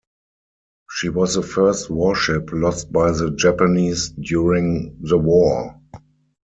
She was the first warship lost by the Japanese during the war.